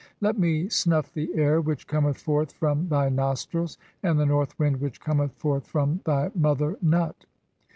(i3) Let me snuff the air which cometh forth from "thy nostrils, and the north wind which cometh forth from thy "mother [Nut].